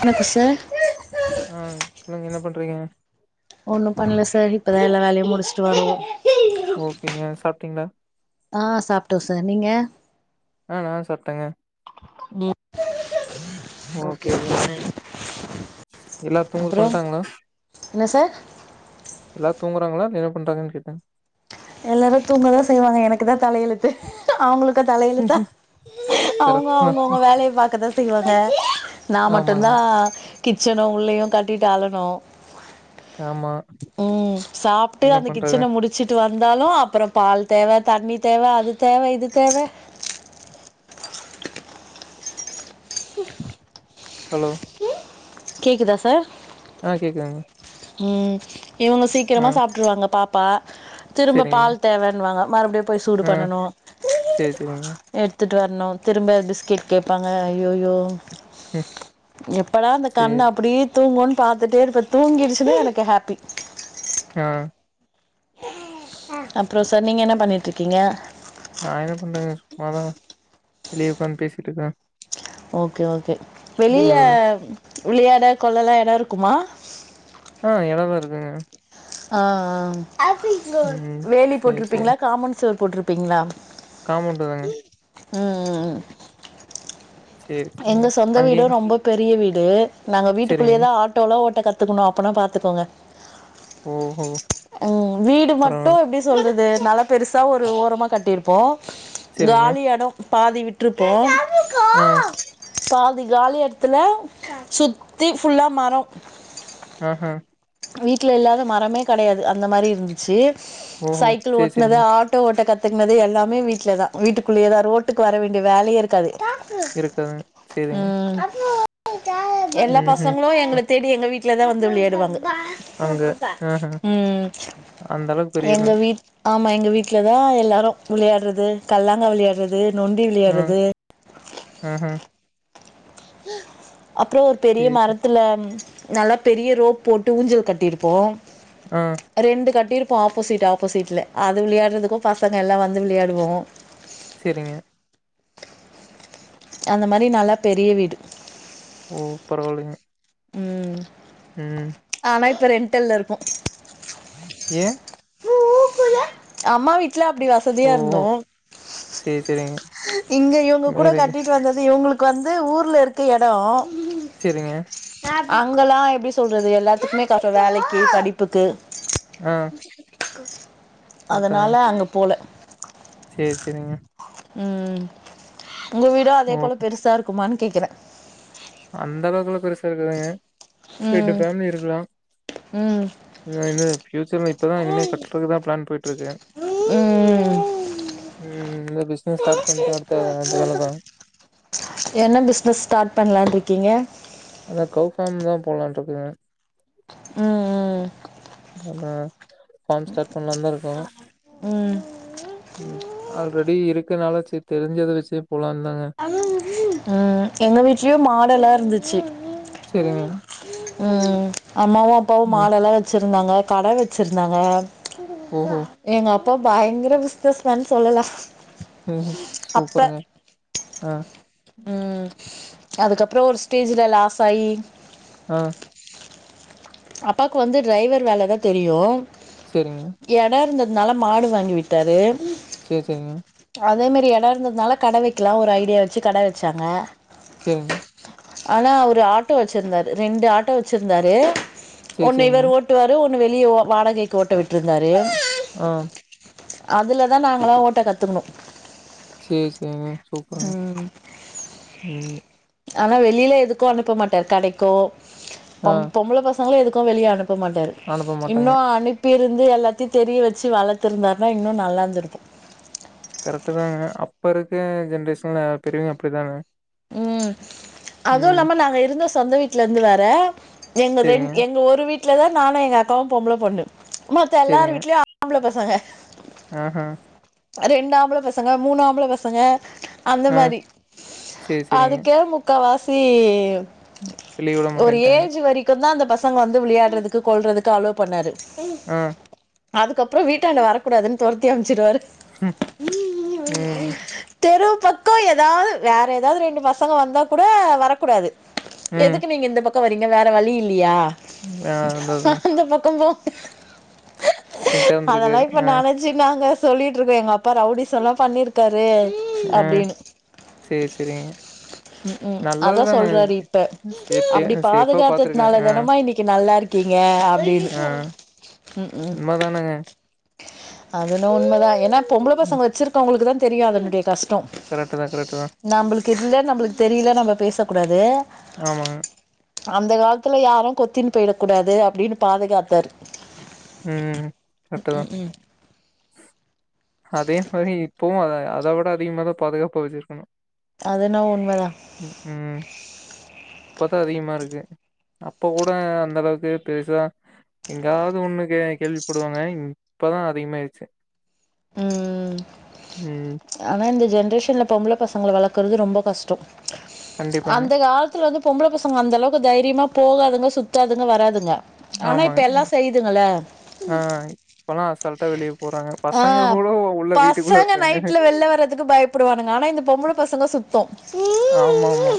வணக்கோ சார் ஆ சொல்லுங்க என்ன பண் ண்றீங்க ஒண்ணு பண்ணல சார் இப்பதா எல்லா வேலையு முடிச்சுட்டு வரோ ஓகேங்க சாப்ட்டீங்களா ஆ சாப்ட்டோ சார் நீங்க ஆ நா சாப்டேங்க ம் ஓகே ஓக்கே ஓகே ஓக்கேங்க சார் எல்லா அப்றோ [unintelligible] என்ன சார்? எல்லா தூங்குறாங்களா? இல்ல என்ன பண்றாங்கனு கேட்டே எல்லாரு தூங்கதா செய்வாங்க எனக்குதா தலையெழுத்து. அவங்களுக் தலையெழுத்தா. அவுங்க கரெக்ட்தா அவுங்கவுங்க வேலைய பாக்கதா செய்வாங்க நா ஆமாங்க மட்டுந்தா கிச்சனு உள்ளயு கட்டிட்டு அளணு. ஆமா உம் சாப்ட்டு என்ன அந்த பண்றது கிச்சன முடிச்சுட்டு வ இருந்தாலு அப்றோ பால் தேவ, தண்ணி தேவ, அது தேவ, இது தேவ. ஹலோ கேக்குதா சார் ஆஹ் கேக்குதுங்க உம் இவுங்க ஆ சீக்கிரமா சாப்ட்ருவாங்க. பா ப திரும்ப செரிங்க பால் தேவன்னுவாங்க. மறுபடியும் போய் சூடு ஆ பண்ணணு சேரி செரிங்க எடுத்துட் ட்டு வரணு. திரும்ப பிஸ்கேட் கேட்பாங்க. ஐயோயோ ம் எப்படா அந்த கண்ணு சேரி அப்டீ தூங்கூன்னு பாத்துட்டே இருப்பே தூங்கிர்ச் [inaudible] எனக்கு ஹாப்பி. ஆ அப்றோ சார், நீங்க என்ன பண்ணீட்ருக்கீங்க? நா என்னங்க பண்றே சும்மாதா வெளிய உட்காந்து பேசிட்டு இருக்கறே ஓக்கே ஓக்கே வெளில விளையாட கொள்ளலா எடோ இருக்குமா? ஆஹ் எடலாம் இருக்குங்க. ஆஹ் ஆஹ் ம் வேலி சேரி சேரி போட்ருப்பீங்களா? காம்பண்ட் செவு போட்ருப்பீங்ளா? காம்பவுண்டுதாங்க உம் ம் ம் சேரி எங்க சேரிங்க சொந்த வீடு அங்கேயு ரொம்ப பெரிய வீடு டூ நாங்க செரிங்க வீட்டுக்குள்ளயேதா ஆட்டோலா ஓட் த கத்துக்குணு. அப்பனா பாத்துக்கோங்க ஓஹோ. உஹம் வீடு பரவால்ல மட்டும் எப்டி சொல்றது. அது நல்லா பெருசா ஒரு ஓரமா கட்டியிருப்போம். காலி எடம். பாதி விட்டுருப்போம். ம் பாதி காலி இடத்துல சுத்திஃபுல்லா மரோ. ஆஹா. வீட்ல இல்லாத மரமே கிடையாது. அ அந்த மாரி இருந்துச்சு. ஓஹோ! சைக்கிள் சரி, ஓட்னது சரிங்க. ஆட்டோ ஓட்டக்கத்து. கத்துக்குனது எல்லமே வீட்ல தான் வீட்டுக்குள்ளே தான் ரோட்டுக்கு வர வேண்டிய வேலையே இருக்காது. டாக்கு இருக்காது. சரிங்க. உம் அப்ரோ. எல்லா ம்ஹ்ம். பசங்களும் அ எங்கள தேடி எங்க வீட் வீட்ல தான் வந்து விளையாடுவாங்க. அங்க ஆ ஆ ம் எங்க வீட். ஆமா எங்க வீட்ல தான் எல்லாரும் விளையாட் றது கல்லங்கா விளையாட்றது. நொண்டி விளையாட்றது. ம் ம் [inaudible] அப்புறம் ஒரு பெரிய சரி. மரத்துல. நல்லா பெரிய ரோப் போட்டு ஊஞ்சல் கட்டியிருப்போம். ஆ, ரெண்டு கட்டிருப். ப்போ ஆப்போசிட் ஆப்போசிட்டில அது விளையாட்றதுக்கும் பசங்கள் எல்லாம் வந்து விளையாடுவோம். செரிங்க அந்த மாரி நல்லா பெரிய வீடு. ஓ பரவாயில்லைங்க. ம். ம். ஆனால் இப்போ ரெண்டல்ல இருக்கோ. ஏ. அம்மா வீட். வீட்ல அப்படி வசதியா ஓஹோ! இருந்தோம். சரி, சரிங்க. இங்க இவங்க கூட மேரேஜ் கட்டிட்டு வந்தது. இவங்களுக்கு வந்து ஊர்ல இருக்கு எடோ செரிங்க அங்கலா எப்டி சொல்றது எல்லாத்துக்குமே [unintelligible] வேலைக்கு படிப்புக்கு ஆ அதனால அங்க போல செர் செரிங்க ம் உங்க வீடோ அதே போல ஓகே. பெருசா இருக்குமான்னு கேக்கித அந்த அளவுக்குலா பெருசா இருக்காதுங்க ரெண்டு ம் ஃபேமிலி இருக்கலா ம் [unintelligible] ஃபியூச்சர்ல இப்பதான் இனிமே கட்டுறக்குதான் பிளான் போயட்ருக்கு ம் ம் இந்த பிசினஸ் ஸ்டார்ட் பண்ணிட்ட அடுத்த அந்த வேலதா. கிங்க அதா கல்ஃபேம் தா போலான்ருக்கேங்க உம் உம் பார்ம் ஸ்டார்ட் பண்ணலான்தா இருக்கே ம் ம் ம் ஆல்ரெடி இருக் க்குனால சேர் தெரிஞ்சது வச்சு உம் எங்க வீட்லயு மாடெல்லா இருந்துத் ச்ட் சேரிங்க உம் அம்மாவு அப்பாவு ம் மாடெல்லா வச்சுருக் இருந்தாங்க கட வச்சிருந்தாங்க ஓஹோ ஏங்கப் இப்போ பயங்கர பிசினஸ் மேன் சொல்லலா ம் சூப்பருங்க ஆ உம் அதுக்கப்றோ ஒரு ஸ்டேஜ்ல லாஸ் ஆயி ஆ. அப்பாக்கு வந்து டிரைவர் வேலதா தெரியு சேரிங்க எடம் இருந்தத் நால மாடு வாங்கி விட்டாரு செர் செரிங்க அதேமாரி எடோ இருந்ததுனால கட வெக்கலாம்னு ஒரு ஐடியா வச்சு கட வச்சாங்க செரிங்க ஆனா ஒரு ஆட்டோ வச்சிருந்தாரு ரெண்டு ஆட்டோ வச்சிருந்தாரு சேர் ஒன்னு சேரிங்க இவர் ஓட்டுவாரு ஒன் இன்னு வெளிய வ வாடகைக்கு ஓட்ட விட்டுருந்தாரு ஆஹ் அதுலதா நாங்களா ஓட்ட கத்துக்குணு சேர் சேரிங்க சூப்பருங்க உம் ஆனா வெளில எதுக்கு அனுப்ப மாட்டார் கடக்கோ ஆ பொம் பொம்பள ப [inaudible] ங்ளு எதுக்கு வெளிய போமாட்டாரு அனுப்ப மாட்டாங்க இன்னு அனுப் ப்ப ருந்து எல்லாத்தயு தெரிய வச்சு வளத்துருந்தாருனா இன்னு நல்லாந்துருக்கு கரெக்ட்டு தாங்க அப்பருக்க ஜென்ட்ரேஷன்ல பெரிவேக அப்டிதாங்க உம் ம் அதூல்லாம நாங்க இருந்த சொந்த வீடலருந்து வேற எங்க ரெண் சேரிங்க எங்க ஒரு வீட் வீட்லதா நானு எங்க அக்காவு பொம்பல பொண்ணு மத்த எல்லார் வீட்லயு ஆம்பள ச வாங்க ஆஹ்ஹ ரெண்டாம்ள பசங்க மூணாம்பள பசங்க அந்த ஆ மாரி சேர் சேரிங்க அதுக்கே முக்கா ஆசி வெளிய விட ஒரு மாட்டேன்ட்டாங்க ஏஜ் வரிக்குந்தா அந் பசங்க வந்து விளியாடுறதுக்கு கொல்றதுக்கு அலோ பண்ணாரு உம் ஆ அதுக்கப்றோ வீட்டாண்ட வரக்குடாதுன் தொரத்தி அம்ச்சிருவாரு ஹும் உம் தெரு பக்கோ எதாது வேற ஏதாது ரெண் பசங்க வந்தா குட வரக்குடாது ம் எதுக்கு நீங்க இந்த பக் வரீங்க வேற வழி இல்லியா ஆ ஹ அதான். அந்த பக்கோ போ ஸ்ட்ரென்த்தா அதெலா இருந்திருக்காரு. இப்ப ஆ, நெனச்சினாங்க சொல்லிட்ருக்க எங்க அப்பா ரவுடி சொல்லா பண்ணிருக்காரு ஆஹ் சேர் செரிங்க உம் அதா சொல்றாரு இப்ப சேஃப்டியா அப்டி சேஃபா பாத்துருக்காங்க. பாதுகாத்ததுதுனால ஆ, தானமா இன்னக்கி [unintelligible] நல்லா இருக்கீங்க ஆ. ம் ம் உண்ம தானங்க. அதுன்ன உண்மதா ஏன்னா பொம்பள பசங்க வச்சிருக்கவங்களுக்குதா தெரியு அதனுடைய கஸ் கரெட்டுதா கரெட்டுதா கில்ல நம்ப்ளுக்கு தெரியில நம்ம பேசக்கூடாது ஆமாங்க அந்த காலத்துல யாரு கொத்தின் பொய்டக் கூடாது அப்டின்னு பாதுகாத்தாரு ம் கரெட்டுதா அதே மாரி இப்பவு அதா அத உட அதிகமாகதா பாதுகாப்பா வெச்சிருக்கணு அதுனா உண்மதா இப்பதா அதிகமா இருக்கு அப்ப கூட அந்தளவுக்கு பெருசா எங்காவ்து ஒண்ணு கேள்விப்படுவாங்க இங் இப்பதா அதிகமாயிர் ச்சு ம் ம். ஆனா இந்த ஜென்ரேஷன்ல பொம்பள பச ங்கள வளக்குறது ரொம்ப கஸ்டொ கண்டிப்பாங்க. அந்த காலத்துல வந்து பொம்பள பச ங்க அந்தளவுக்கு தைரியமா போகாதுங்க சுத்தாதுங்க வராதுங்க ஆனா இப்ப எல்லா ஆமாங்க செய்யுதுங்கல்ல ஆ இப்பொல்லா அசால்ட்டா வெளிய போறாங்க பச ஆ பசங்க நைட்ல வெள்ல வர்றதுக்கு பயப்படுவானுங்க ஆனா இந்த பொம்பள பசங்க சுத்து ஆமாமா.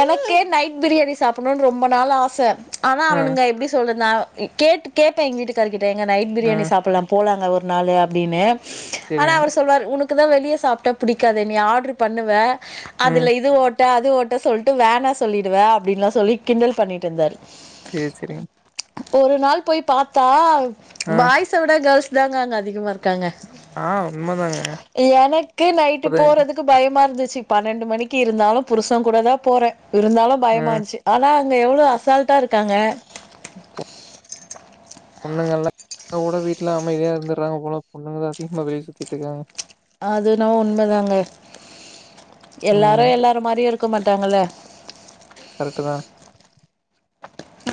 எனக்கே நைட் பிரியாணி சாப்புண்ணோனு ரொம்ப நாள் ஆச ஆனா ஆ, அவனுங்க எப்டி சொல்றது நா கேட்டு கேட்டே எங்க வீட்டுக்காருக்கிட் ட ஏங்க நைட் ஆ பிரியாணி சாப்புல்லா போலாங்க ஒரு நாளு அப்டின்னு ஆனா சரிங்க. அவர் சொல்வாரு உனக் க்குதா வெளிய சாப்ட்டா புடிக்காதே நீ ஆட்ரு பண்ணுவ ம். அதுல இது ஓட் ட அது ஓட்ட சொல்ட்டு வேணா சொல்லிடுவ அப்டின்லா சொல்லி கிண்டல் பண்ணிட்டு இருந்தாரு சரி, சரிங்க. ஒரு நாள் போய் பாத்தா ஆ, பாய்ஸ உட கேர்ள்ஸ் [unintelligible] அங்க அதிகமாருக்கு ங்க ஆ உண்மதாங்க. எனக்கு நைட்டு இப்பதான் போறதுக்கு பயமா இருந் ச்சி பன்னெண்டு மணிக்கு இருந்தாலு புருசே கூட தா போறே இருந்தாலு ஆ பயமான்ச்சு ஆனா ங்க எவ்ளோ அசால்டாருக்காங்க [unintelligible] பொண்ணுங்க எல்லாம் கூட வீட்டுல அமைதியா இருந்துறாங்க போல பொண்ணுங்க அதிகமா வெளியே சுத்திட்டு இருக்காங்க அதுனா உண்மதாங்க எல்லாரு ம் எல்லார் மாரியு இருக் க மாட்டாங்கள கரெக்ட்டு தான்.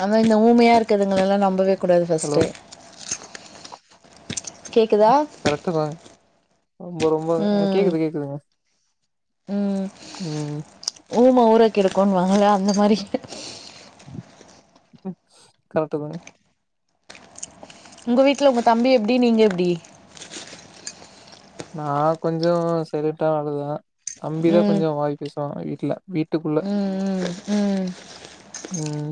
அதான் இந்த ஊமையா இருக்குதுங்கலா நம்பவே கூடாது ஹலோ ஃபஸ்ட்டு கேக்குதா கரெக்ட்டு தாங்க. ரொம்ப ரொம்ப ம் கேக்குது கேக்குதுங்க ம் ம் ஊம ஊர கெடுக்குனுவாங்கள அந்த மாரி [unintelligible] கரட்டுதா உங்க வீட்ல உங்க தம்பி எப்டி நீங்க எப்டி நான் கொஞ்ச சைலெட்டா ஆளுதா தம்பிதா ம் கொஞ்ச வாய் பேசுவா அ இல்ல வீட்டுக்குள்ள ம் ம் ம் ம்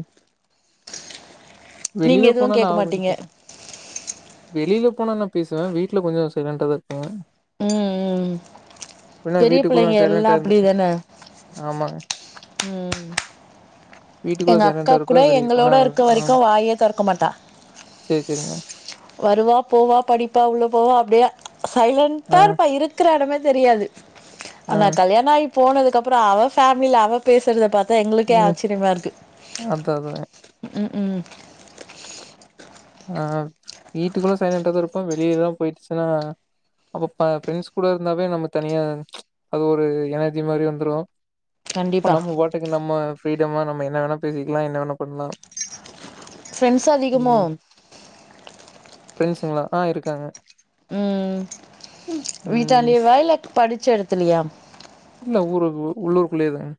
நீங்க வெளில எதுவு போனா நா கேக்க மாட்டீங்க [unintelligible] வெளில போனானா பேசுவே வீட்ல கொஞ்ச சைலண்ட்டாக தா இருப்பே ம் ம் பின்ன பெரிய வீட்டுக்குள்ள பிள்ளைங்க எல்லா சைலண்டா இருந்துட்டு அப்டிதானே ஆமாங்க ம் வீட்டுக்குள்ள எங்க அக்கா சைலண்டா கூட இருப்பே வெளிய போனா எங்களோட இருக்க ஆ வரைக்கு வாயே தொறக்க மாட்டா சேரி சேரிங்க வருவா போவா படிப்பா உள்ள போவா அப்டியே ஆ சைலண்ட்டாருப்ப இருக்குற இடமே தெரியாது ஆ ஆனா கல்யாணாயி போனதுக்கப்ற அவ ஃபேமில அவ பேசுறத பாத் எங்களுக்கே ம் ஆச்சிர்யமாருக்கு அதா அதா ம் உம் ஆஹ் வீட்டுக்குல்ல சைலண்ட்டா தான் இருப்போம் வெளியிலலாம் போயிட்ச்சுன்னா அப்போபா ஃப்ரெண்ட்ஸ் கூட இருந்தாவே நம்ம தனியா அது ஒரு எனர்ஜி மாரி வந்துரும் அப்ப கண்டிப்பா நம்ம வாட்டுக்கு நம்ம [unintelligible] நம்ம என்ன வேணா பேசிக்கலாம் என்ன வேணா பண்லாம் ஃப்ரெண்ஸ் அதிகமோ [inaudible] ஃப்ரெண்ஸ்சுகலா ஆ இருக்காங்க உம் ம் விட்டான்டேயெவா இல்ல படிச் ச்சடத்துலையா இல்ல ஊரு உள்ளூருக்குள்ளேயேதான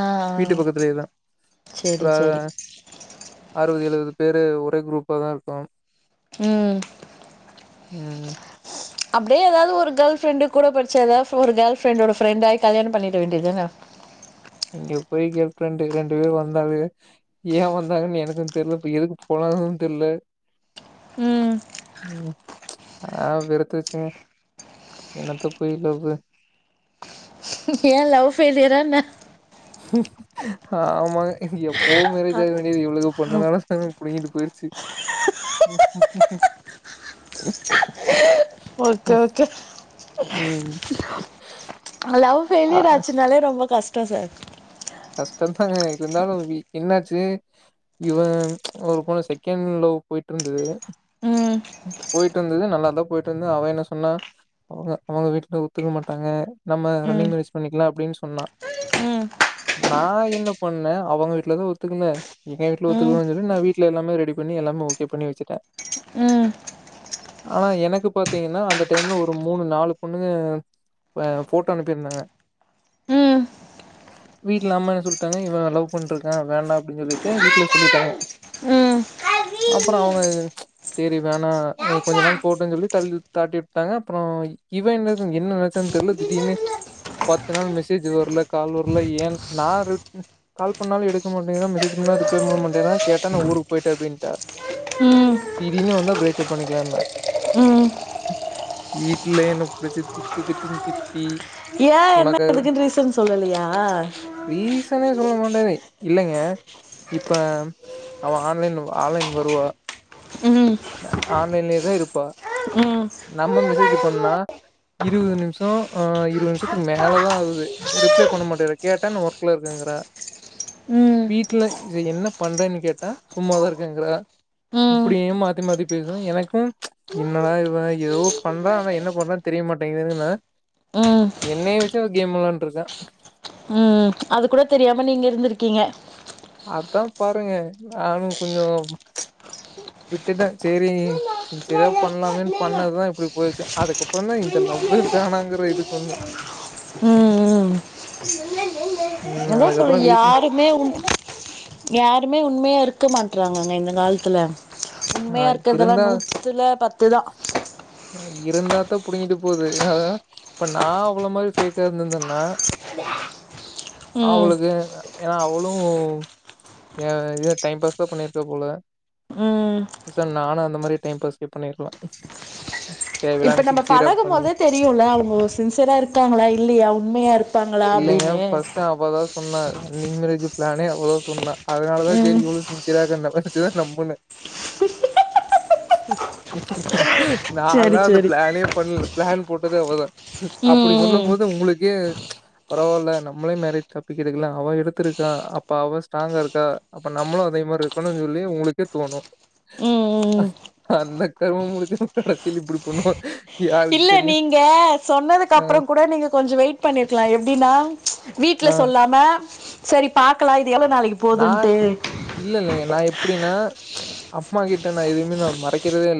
ஆஹ் ஆஹ் செரி செரி அறுவதுயெழுவது பேரு ஒரே குரூப்ப தான் இருக்கும் உம் உஹம் அப்டே ஏதாவதொரு கேர்ள் ஃப்ரெண்டுக்கூட படிச்ச ஏதாவதொரு கேர்ள் ஃப்ரெண்டோட ஃப்ரெண்டாயி கல்யாணம் பண்ணிட வேண்டியதுதான இங்க போய் கேர்ள்ஃப்ரெண்டுக்கு ரெண்டு பேர் வந்தாவே ஏன் வந்தாங்கன்னு எனக்கும் தெரியல இப்ப எதுக்கு போனாங்கனும் தெரியல ம் ஹ்ம் ஆஹ் வெறுத்துருச்சுங்க என்னத்தப்போயி லவ்வு ம் ஏன் லவ்ஃபெய்லியரா என்ன ஹ ஆமாங்க எப் [unintelligible] இவளுக பொண்ணுங்களா [unintelligible] புடிங்கிட்டு போய்டுச்சு உ உ ஒருத்தர்க்கு ம் ஆ லவ்ஃபெய்லியராச்சினாலே ரொம்ப கஷ் இப்ப சார் கஷ்டதாங்க இருந்தாலு இன்னாச்சு இவன் ஒரு பொண்ண செகண்ட் லவ் போயிட்ருந்தது ம் போயிட்ருந்தது நல்லாதான் போயிட்டுருந்தது அவ என்ன சொன்னா அவங்க அவங்க வீட்டுல ஒத்துக்க மாட்டாங்க நம்ம ம் ரன்னிங் மேரேஜ் பண்ணிக்கலா அப்டினு சொன்னா ம் நான் என்ன பண்ணே அவங்க வீட்டுலதா ஒத்துக்கல எங்க வீட்டுல ம் ஒத்துக்குவாங்கன்னு நான் வீட்டுல எல்லாமே ரெடி பண்ணி எல்லாமே ஓகே பண்ணி வச்சுட்டேன் ம் ம் ஆனா எனக்கு பாத்தீங்கன்னா அந்த டைம்ல ஒரு மூணு நாலு பொண்ணுங்க ஹா போட்டா அனுப்பிருந்தாங்க ம் வீட்டில் அம்மா என்ன சொல்டாங்க இவன் லவ் பண்ட்யிருக்கான் வேணா அப்படின்னு சொல்லிட்டு வீட்ல சொல்லிட்டாங்க ம் அப்பறம் அவங்க சரி வேணாம் இகொஞ்சம் நாள் போட்டோன்னு சொல்லி தள்ளி தாட்டிவிட்டாங்க அப்புறம் இவன் என்ன என்ன நினைச்சன்னு தெரில திடீர்னு பத்து நாள் மெசேஜ் வரல கால் வரல ஏன் நான் ரிப் கால் பண்ணாலும் எடுக்க மாட்டேங்கரா மெசேஜ் பண்ணா ரிப்ளை பண்ணமாட்டேங்ரா கேட்டா நான் ஊருக்கு போயிட்டே அப்டின்டா திடீனு வந்தா பிரேக்கப் பண்ணிக்கலானா ம் வீட்டுலயென்ன புடிச்சி திட்டு திட்டுன்னு திட்டி ஏன் என்ன எதுக்குன் ரீசன் சொல்லலியா வீஸ் என்னனே சொல்லமாட்டா இல்லங்க இப்ப அவ ஆன்லைன்ல ஆன்லைன் வருவா ம் ஆன்லைன்லே தா இருப்பா நம்ம மெசேஜ் பண்ணா ம் இருவது நிமிஷம் ஆஹ் இருவது நிமிஷத்துக்குமேலதா ஆவுது ரிப்ளை பண்ணமாட்டேற கேட்ட ஒர்க்லயிருக்கங்கரா ம் வீட்டுல செரி என்ன பண்றேன்னு கேட்டா சும்மாதான் இருக்கேங்கர ம் இப்படியுமா மாத்தி மாத்தி பேசும் எனக்கும் என்னடா இவ ஏதோ பண்றா ஆனா என்ன பண்றான்னு தெரியமாட்டேங்கதுனா ம் என்னையவச்சே ஏதோ கேம் விளாண்ட்டுயிருக்கா ஹ்ம் அது கூட தெரியாம நீங்க இருந்திருக்கீங்க அதான் பாருங்க நானும் கொஞ்சம் விட்டுட்டேன் செரி சின்சியரா பண்ணலாமேன் பண்ணதுதான் இப்படி போயிடுச்சு அதுக்கப்புறதா இந்த லவ்வே வேணாங்கற இதுக்குவந்த உம் உம் ம் அத சொல் அதுக்கப்புறோ வீட்ல யாருமே உண் யாருமே உண்மையா இருக்கமாட் விட்டுறாங்கங்க இந்த காலத்துல ஆ உண்மையா இருக்ரதெல்லாம் இருந்தா நூத்துல பத்துதா இருந்தாதா புடிங்கிட்டு போது அத இப்ப நான் அவ்வள மாரி ஃபேக்கா இருந்திருந்தேன்னா ம் அவ்ளுக்கு ஏன்னா அவளும் என் இத டைம் பாஸ் தான் பண்ணிருக்க போல ம் சார் நானும் அந்த மாரி டைம் பாஸ்கே பண்ணிரலாம் இப்ப நம்ம பழகும் போதே தெரியும்ல அவங்க சின்சியரா இருக்காங்களா இல்லையா உண்மையா இருப்பாங்களா இல்லைங்க அப்படின்னு ஃபர்ஸ்ட் அவதா சொன்னா ரீ மேரேஜ் பிளானே அவதான் சொன்னா அதனாலதான் ம் சரி இவளும் சின்சியரா இருக் பேச்சதான் நம்புனே ம் ம் ம் ம் சரி நாலாம் அந்த சரி பிளானே பண்ணல பிளான் போட்டது அவதா அப்படி சொல்லும் ம் போது உங்களுக்கே ப்ச் பரவாயில்ல நம்மலே மேரேஜ் தப்பிக்கலாம் அவ எடுத்திருக்கா அப்ப அவ ஸ்ட்ராங்கா இருக்கா அப்ப நம்மளும் அதே மாரி இருக்கணும்னு சொல்லி உங்களுக்கே தோணும் ம் ம் அந்த கரும முடிஞ்சவ கடைசில இப்படி பண்ணுவானு யாருக்கு இல்ல தெரியு நீங்க சொன்னதுக்கு ஆ அப்புறம் கூட நீங்க கொஞ்சம் வெயிட் பண்ணிருக்கலாம் எப்படின்னா வீட்டுல சொல்லாம சரி பாக்கலா இது எவ்ளோ நாளைக்கு நான் போதுன்ட்டு இல்ல இல்லைங்க நான் எப்படின்னா அம்மா கிட்ட நான் எதையுமே மறைக்கிறதே இல்ல